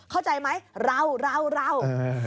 เข้าใจไหมเราเรา